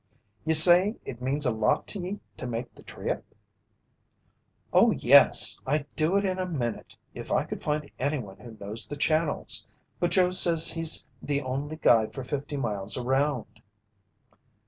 "Ye say it means a lot to ye to make the trip?" "Oh, yes, I'd do it in a minute, if I could find anyone who knows the channels. But Joe says he's the only guide for fifty miles around."